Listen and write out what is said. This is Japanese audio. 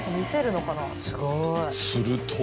すると。